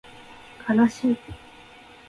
かなしい